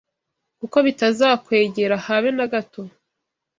Kuko bitazakwegera habe na gato